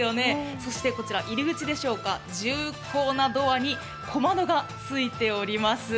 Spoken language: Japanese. そして入り口でしょうか、重厚なドアに小窓がついております。